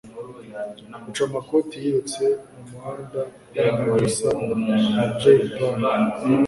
Rucamakoti yirutse mumuhanda yambaye ubusa nka jaybird